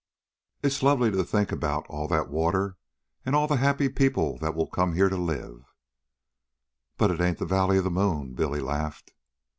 "It's lovely to think about all that water, and all the happy people that will come here to live " "But it ain't the valley of the moon!" Billy laughed.